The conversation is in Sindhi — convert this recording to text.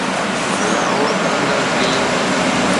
لاهور قلندرز جي